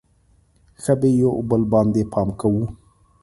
ښه به یو بل باندې پام کوو.